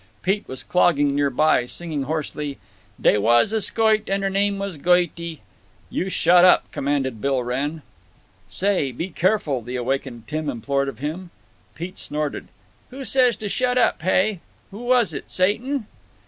Pete was clogging near by, singing hoarsely, "Dey was a skoit and 'er name was Goity." "You shut up!" commanded Bill Wrenn. "Say, be careful!" the awakened Tim implored of him. Pete snorted: "Who says to 'shut up,' hey? Who was it, Satan?"